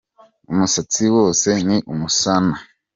Umusatsi wose ni umusana